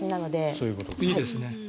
いいですね。